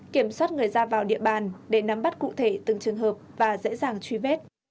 kiểm soát người ra vào địa bàn để nắm bắt cụ thể từng trường hợp và dễ dàng truy vết